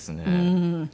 うん。